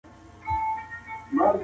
ټولنیز توپیرونه د درملنې بریا اغېز کوي.